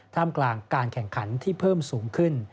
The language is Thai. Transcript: ท่ามกลางการแข่งขันที่เพิ่มสูงขึ้น